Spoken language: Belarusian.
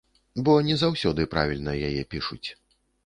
Бо не заўсёды правільна яе пішуць.